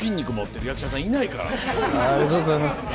ありがとうございます。